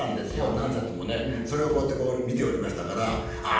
何冊もねそれをこうやってこう見ておりましたからああ